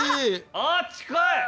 あっ近い！